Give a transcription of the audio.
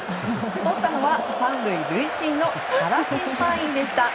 とったのは３塁塁審の原審判員でした。